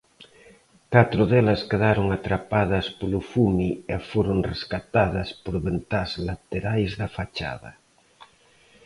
Catro delas quedaron atrapadas polo fume e foron rescatadas por ventás laterais da fachada.